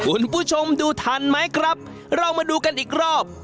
คุณผู้ชมดูทันไหมครับเรามาดูกันอีกรอบ